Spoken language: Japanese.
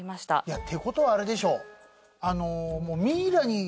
ってことはあれでしょ。